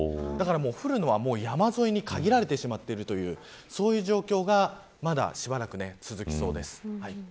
降るのは山沿いに限られてしまっているという状況がしばらく続きそうです。